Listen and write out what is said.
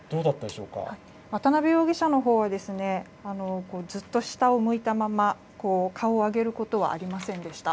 渡邉容疑者のほうは、ずっと下を向いたまま、顔を上げることはありませんでした。